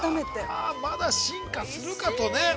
◆あー、まだ進化するかとね。